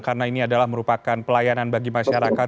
karena ini adalah merupakan pelayanan bagi masyarakat